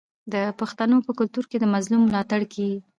د پښتنو په کلتور کې د مظلوم ملاتړ کیږي.